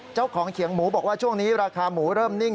เจ้าของเขียงหมูบอกว่าช่วงนี้ราคาหมูเริ่มนิ่ง